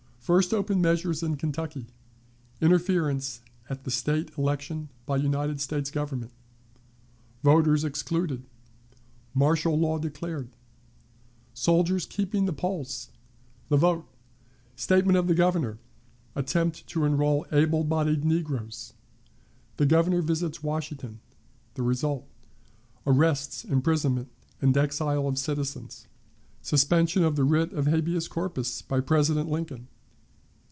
First Open Measures in Kentucky. Interference at the State Election by the United States Government. Voters excluded. Martial Law declared. Soldiers keeping the Polls. The Vote. Statement of the Governor. Attempt to enroll Able bodied Negroes. The Governor visits Washington. The Result. Arrests, Imprisonment, and Exile of Citizens. Suspension of the Writ of Habeas Corpus by President Lincoln.